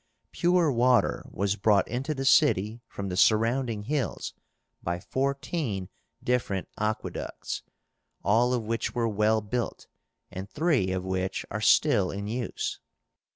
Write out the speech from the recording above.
Pure water was brought into the city from the surrounding hills by fourteen different aqueducts, all of which were well built, and three of which are still in use.